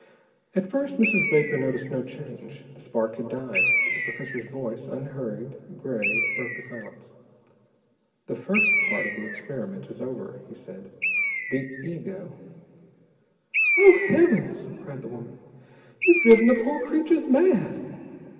At first, Mrs. Baker noticed no change. The spark had died, the professor's voice, unhurried, grave, broke the silence. "The first part of the experiment is over," he said. "The ego " "Oh, heavens!" cried the woman. "You've driven the poor creatures mad!"